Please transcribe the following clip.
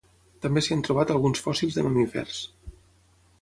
També s'hi han trobat alguns fòssils de mamífers.